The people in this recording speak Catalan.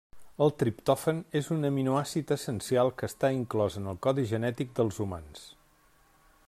El triptòfan és un aminoàcid essencial que està inclòs en el codi genètic dels humans.